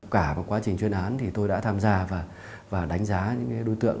cả vào quá trình chuyên án thì tôi đã tham gia và đánh giá những đối tượng